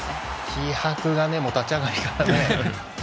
気迫がねもう立ち上がりからね。